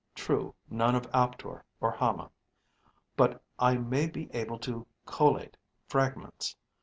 True, none of Aptor, or Hama, but I may be able to collate fragments.